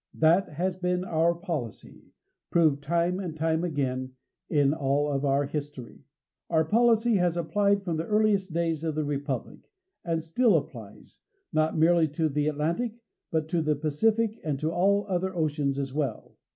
That has been our policy, proved time and time again, in all of our history. Our policy has applied from the earliest days of the Republic and still applies not merely to the Atlantic but to the Pacific and to all other oceans as well.